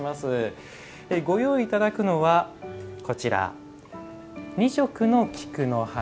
ご用意いただくのは２色の菊の花。